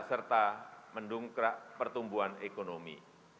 serta mendungkrak pertumbuhan ekonomi